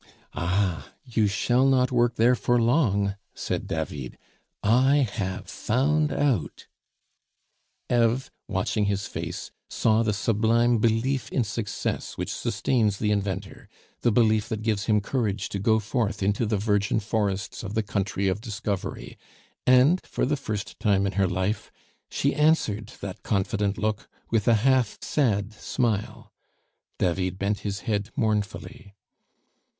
"Ah! you shall not work there for long," said David; "I have found out " Eve, watching his face, saw the sublime belief in success which sustains the inventor, the belief that gives him courage to go forth into the virgin forests of the country of Discovery; and, for the first time in her life, she answered that confident look with a half sad smile. David bent his head mournfully.